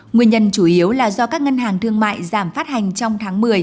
nguyên nhân chủ yếu là do các ngân hàng thương mại giảm phát hành trong tháng một mươi